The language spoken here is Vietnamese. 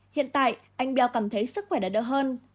hiện tại anh bèo cảm thấy sức khỏe đã đỡ hơn